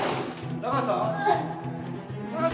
中瀬さん！？